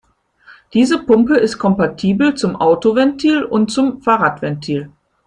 Diese Pumpe ist kompatibel zum Autoventil und zum Fahrradventil.